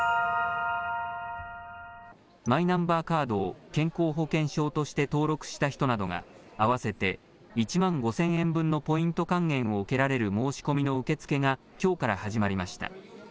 マイナンバーカードを健康保険証として登録した人などが、合わせて１万５０００円分のポイント還元を受けられる申し込みの受け付けがきょうから始まりました。